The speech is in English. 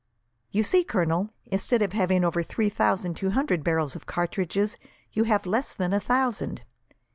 "You see, Colonel, instead of having over three thousand two hundred barrels of cartridges, you have less than a thousand.